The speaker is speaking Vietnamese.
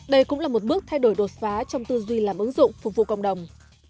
đây cũng là một bước thay đổi đột phá trong tư duy làm ứng dụng phục vụ cộng đồng